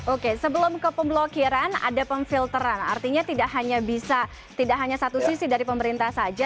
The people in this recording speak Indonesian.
oke sebelum ke pemblokiran ada pemfilteran artinya tidak hanya bisa tidak hanya satu sisi dari pemerintah saja